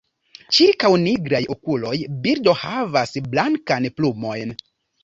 Ĉirkaŭ nigraj okuloj birdo havas blankan plumojn.